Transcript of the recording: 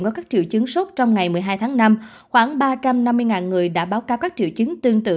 với các triệu chứng sốt trong ngày một mươi hai tháng năm khoảng ba trăm năm mươi người đã báo cáo các triệu chứng tương tự